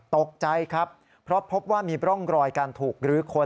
ตกใจครับเพราะพบว่ามีร่องรอยการถูกรื้อคน